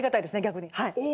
逆に。